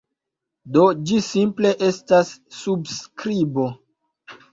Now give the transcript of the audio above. Do, ĝi simple estas subskribo.